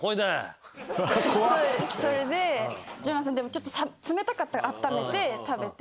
それでジョナサン冷たかったからあっためて食べて。